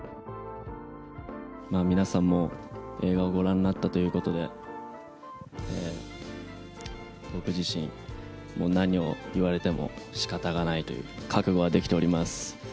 皆さんも映画をご覧になったということで、僕自身、もう何を言われてもしかたがないという覚悟はできております。